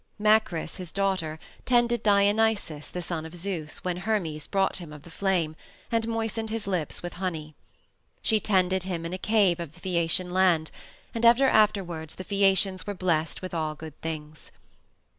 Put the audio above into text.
Macris, his daughter, tended Dionysus, the son of Zeus, when Hermes brought him of the flame, and moistened his lips with honey. She tended him in a cave in the Phaeacian land, and ever afterward the Phaeacians were blessed with all good things.